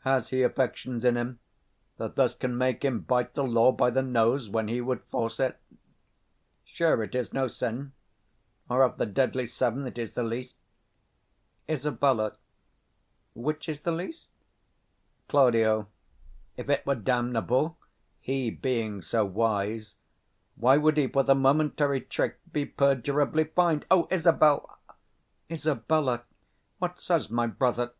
Has he affections in him, 105 That thus can make him bite the law by the nose, When he would force it? Sure, it is no sin; Or of the deadly seven it is the least. Isab. Which is the least? Claud. If it were damnable, he being so wise, 110 Why would he for the momentary trick Be perdurably fined? O Isabel! Isab. What says my brother?